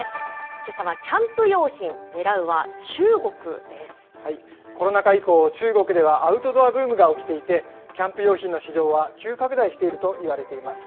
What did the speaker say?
けさはキャンプ用品、狙うは中国コロナ禍以降、中国ではアウトドアブームが起きていて、キャンプ用品の市場は、急拡大しているといわれています。